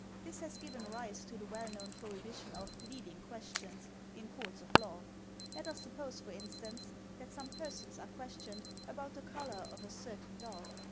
This has given rise to the well known prohibition of " leading questions " in courts of law. Let us suppose, for instance, that some persons are ques tioned about the colour of a certain dog.